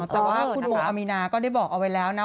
แต่ว่าคุณโออามีนาก็ได้บอกเอาไว้แล้วนะ